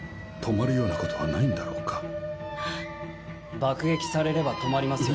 爆撃されれば止まりますよ。